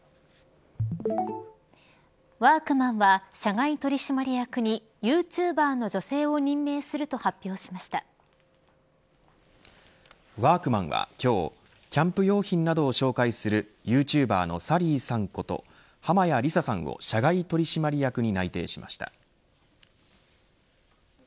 ワークマンは社外取締役にユーチューバーの女性を任命すると発表しワークマンは今日キャンプ用品などを紹介するユーチューバーのサリーさんこと濱屋理沙さんを社外取締役に内定しました。